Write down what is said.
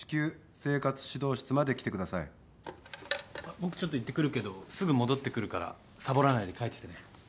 僕ちょっと行ってくるけどすぐ戻ってくるからサボらないで描いててね。